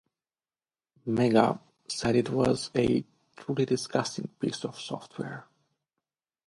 "Mega" said it was "a truly disgusting piece of software".